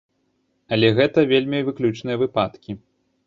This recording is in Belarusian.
Але гэта вельмі выключныя выпадкі.